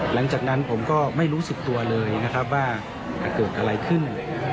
หลังจากนั้นผมก็ไม่รู้สึกตัวเลยนะครับว่าเกิดอะไรขึ้น